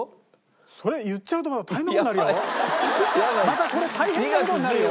またこれ大変な事になるよ。